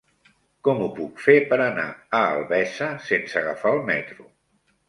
Com ho puc fer per anar a Albesa sense agafar el metro?